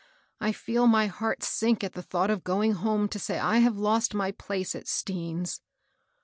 I feel my heart sink at the thought of going home to say I have lost my place at Stean's."